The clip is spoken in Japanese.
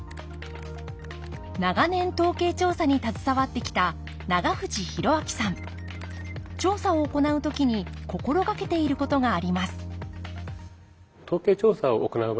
長年統計調査に携わってきた調査を行う時に心掛けていることがあります